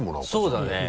そうだね。